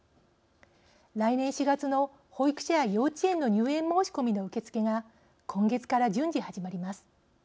来年４月の保育所や幼稚園の入園申し込みの受け付けが今月から順次、始まります。